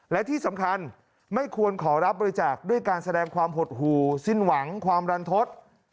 และที่สำคัญไม่ควรขอรับบริจาคด้วยการแสดงความหดหู่สิ้นหวังความรันทศ